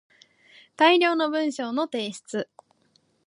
大量の文章の提出